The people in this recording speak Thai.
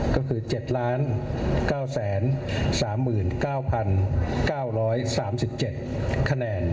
ก็คือ๗๙๓๙๙๓๗คะแนน